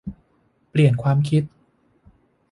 เปลี่ยนความคิด